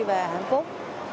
và hạnh phúc